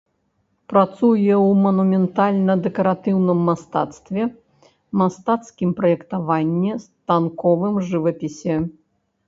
Працуе ў манументальна-дэкаратыўным мастацтве, мастацкім праектаванні, станковым жывапісе.